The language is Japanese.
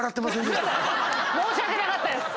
申し訳なかったです。